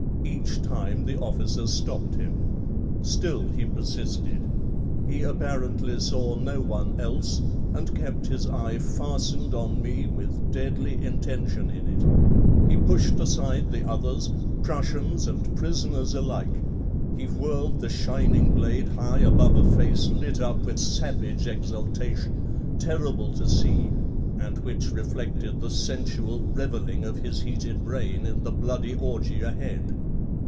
Each time the officer stopped him. Still he persisted. He apparently saw no one else and kept his eye fastened on me with deadly intention in it. He pushed aside the others, Prussians and prisoners alike; he whirled the shining blade high above a face lit up with savage exultation, terrible to see, and which reflected the sensual revelling of his heated brain in the bloody orgy ahead.